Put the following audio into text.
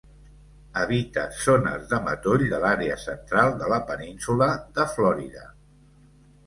Habita zones de matoll de l'àrea central de la Península de Florida.